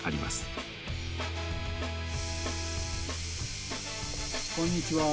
おっこんにちは。